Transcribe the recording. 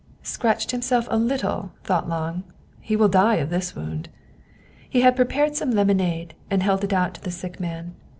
" Scratched himself a little ?" thought Lange. " He will die of this wound." He had prepared some lemonade, and held it out to the sick man.